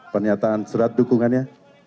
penyataan surat dukungannya